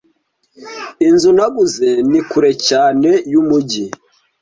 Inzu naguze ni kure cyane yumujyi.